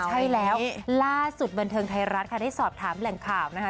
ใช่แล้วล่าสุดบันเทิงไทยรัฐค่ะได้สอบถามแหล่งข่าวนะคะ